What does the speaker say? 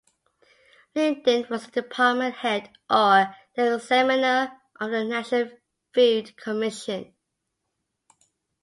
Lindet was the department head, or the "examiner" of the National Food Commission.